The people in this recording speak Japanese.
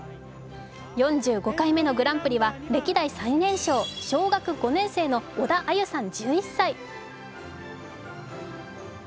４５回目のグランプリは、歴代最年少小学５年生、小田愛結さん。